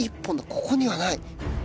ここにはない。